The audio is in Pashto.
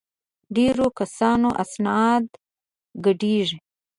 د ډېرو کسانو اسناد ګډېږي.